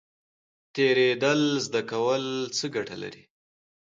تیریدل زده کول څه ګټه لري؟